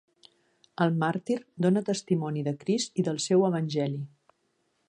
El màrtir dóna testimoni de Crist i del seu Evangeli.